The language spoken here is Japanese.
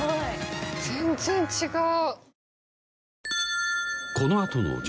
全然違う。